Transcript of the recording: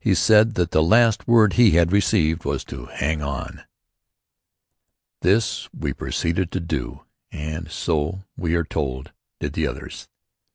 He said that the last word he had received was to hang on. This we proceeded to do, and so, we are told, did the others.